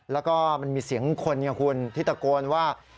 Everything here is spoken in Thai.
แล้วก็มันมีเสียงคนไงคุณที่ตะโกนว่า